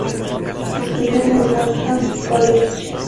Estudió en el Markham College.